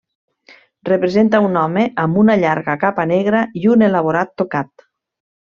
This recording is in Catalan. Representa un home amb una llarga capa negra i un elaborat tocat.